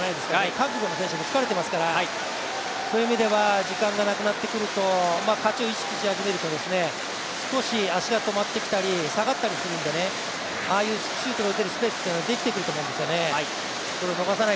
韓国の選手も疲れていますからそういう意味では時間がなくなってくると勝ちを意識し始めると少し足が止まってきたり、下がったりするので、ああいうシュートが打てるスペースってできてくると思うんですよね。